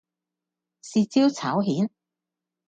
豉椒炒蜆